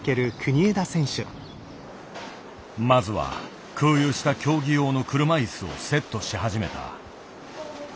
まずは空輸した競技用の車いすをセットし始めた。